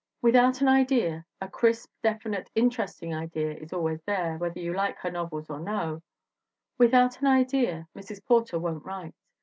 Without an idea a crisp, definite, interesting idea is always there, whether you like her novels or no without an idea Mrs. Porter won't write.